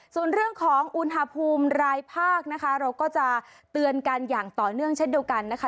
ส่วนเรื่องของอุณหภูมิรายภาคนะคะเราก็จะเตือนกันอย่างต่อเนื่องเช่นเดียวกันนะคะ